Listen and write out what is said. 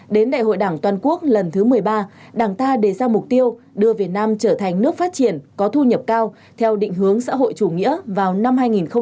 đến đại hội đảng toàn quốc lần thứ một mươi ba đảng ta đề ra mục tiêu đưa việt nam trở thành nước phát triển có thu nhập cao theo định hướng xã hội chủ nghĩa vào năm hai nghìn ba mươi